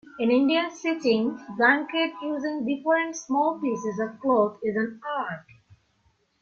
In Indian stitching blanket using different small pieces of cloth is an art.